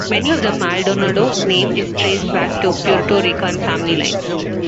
Many of the Maldonado name is traced back to Puerto Rican family lines.